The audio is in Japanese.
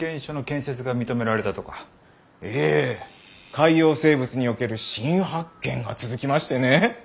海洋生物における新発見が続きましてね！